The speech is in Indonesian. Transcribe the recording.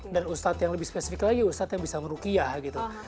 dan ustadz yang lebih spesifik lagi ustadz yang bisa merukiah gitu